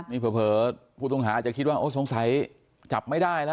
นี่เผลอผู้ต้องหาอาจจะคิดว่าโอ้สงสัยจับไม่ได้แล้ว